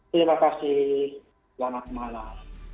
terima kasih selamat malam